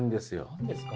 何ですか？